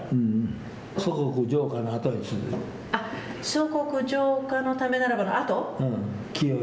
祖国浄化のためならばのあと？